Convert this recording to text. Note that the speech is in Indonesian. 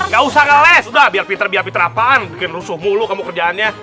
gak usah kales udah biar pinter biar pinter apaan bikin rusuh mulu kamu kerjaannya